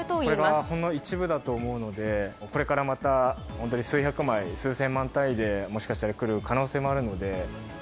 これがほんの一部だと思うので、これからまた本当に数百枚、数千枚単位でもしかしたら来る可能性もあるので。